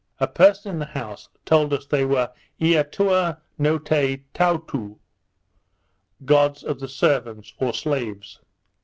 A person in the house told us they were Eatua no te Toutou, gods of the servants or slaves.